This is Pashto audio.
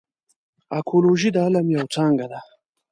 اکولوژي د علم یوه څانګه ده.